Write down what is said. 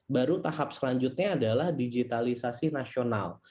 baru tahap selanjutnya adalah digitalisasi nasional